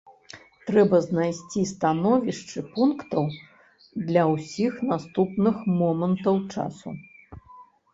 Трэба знайсці становішчы пунктаў для ўсіх наступных момантаў часу.